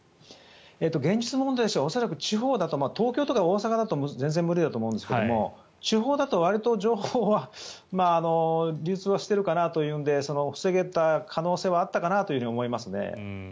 現実問題として恐らく地方だと東京とか大阪だと全然無理だと思いますが地方だと、わりと情報は流通しているかなというので防げた可能性はあったかなと思いますね。